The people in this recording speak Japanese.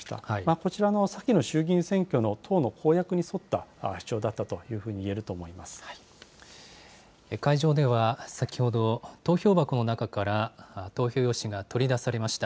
こちらの先の衆議院選挙の党の公約に沿った主張だったというふう会場では先ほど、投票箱の中から、投票用紙が取り出されました。